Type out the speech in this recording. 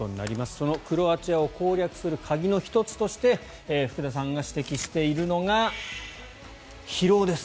そのクロアチアを攻略する鍵の１つとして福田さんが指摘しているのが疲労です。